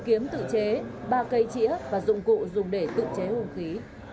đế ba cây chĩa và dụng cụ dùng để tự chế hung khí